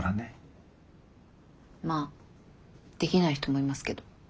まあできない人もいますけど。